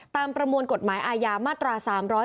ตามประมวลกฎหมายอายามาตรา๓๗๗